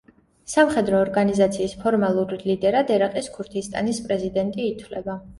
სამხედრო ორგანიზაციის ფორმალურ ლიდერად ერაყის ქურთისტანის პრეზიდენტი ითვლება.